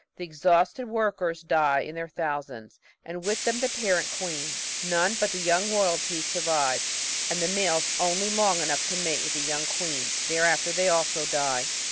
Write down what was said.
The exhausted workers die in their thousands, and with them the parent queen. None but the young royalties survive, and the males only long enough to mate with the young queens; thereafter they also die.